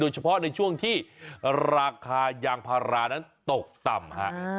เฉพาะในช่วงที่ราคายางพารานั้นตกต่ำฮะ